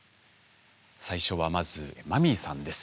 最初はまずマミーさんです。